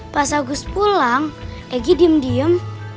pas agus pulang egy diem diem